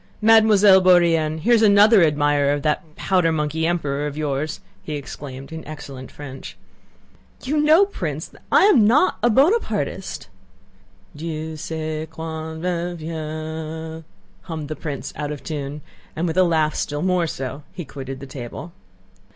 Mademoiselle Bourienne, here's another admirer of that powder monkey emperor of yours," he exclaimed in excellent French. "You know, Prince, I am not a Bonapartist!" "Dieu sait quand reviendra." hummed the prince out of tune and, with a laugh still more so, he quitted the table.